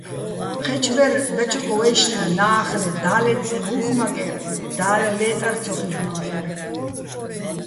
ჴეჩბერ დაჩოკ ვაჲშნ - ნა́ხნ - და́ლეწიჼ უ̂ხ მაკერ, და́ლ ლე́ტარ ცო ხილ'ნო́ჰ̦ერ.